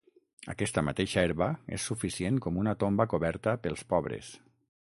Aquesta mateixa herba és suficient com una tomba coberta pels pobres.